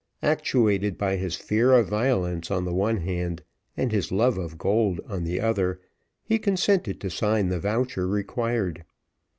Actuated by his fear of violence on the one hand, and his love of gold on the other, he consented to sign the voucher required.